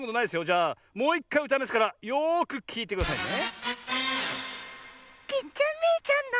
じゃあもういっかいうたいますからよくきいてくださいね。